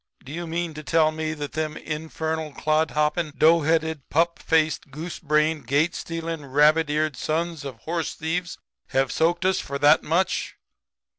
'Do you mean to tell me that them infernal clod hopping, dough headed, pup faced, goose brained, gate stealing, rabbit eared sons of horse thieves have soaked us for that much?'